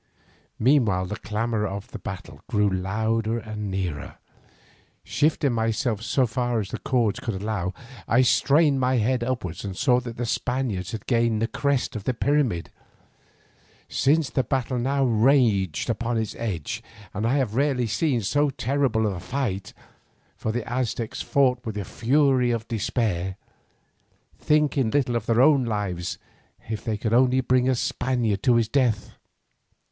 Meanwhile the clamour of battle grew louder and nearer. Shifting myself so far as the cords would allow, I strained my head upwards and saw that the Spaniards had gained the crest of the pyramid, since the battle now raged upon its edge, and I have rarely seen so terrible a fight, for the Aztecs fought with the fury of despair, thinking little of their own lives if they could only bring a Spaniard to his death.